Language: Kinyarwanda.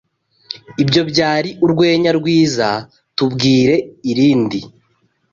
Ibyo byari urwenya rwiza. Tubwire irindi.